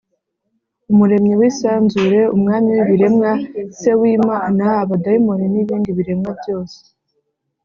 umuremyi w’isanzure, umwami w’ibiremwa, se w’imana, abadayimoni n’ibindi biremwa byose